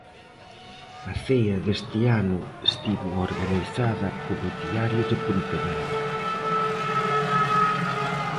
A cea deste ano estivo organizada polo Diario de Pontevedra.